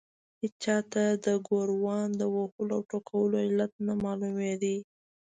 هېچا ته د ګوروان د وهلو او ټکولو علت نه معلومېده.